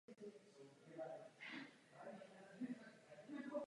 V Kodani se nepovedlo vůbec nic.